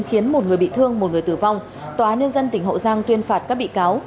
khiến một người bị thương một người tử vong tòa án nhân dân tỉnh hậu giang tuyên phạt các bị cáo